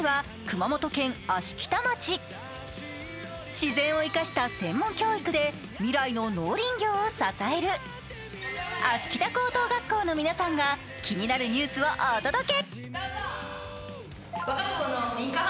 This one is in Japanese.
自然を生かした専門教育で未来の農林業を支える芦北高等学校の皆さんが気になるニュースをお届け。